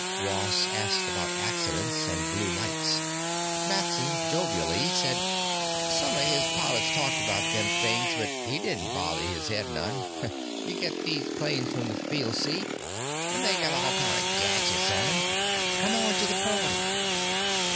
Ross asked about accidents and blue lights. Matson jovially said some o' his pilots talked about them things but he din't bother his head none. Ya get these planes from the field, see, an' they got all kinds of gadgets on them. Come on to the party!